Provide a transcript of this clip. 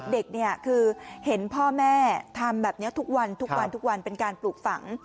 เด็กคือเห็นพ่อแม่ทำแบบนี้ทุกวันเป็นการปลูกฝัง